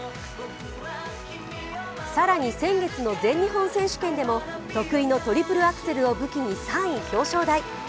更に、先月の全日本選手権でも得意のトリプルアクセルを武器に３位表彰台。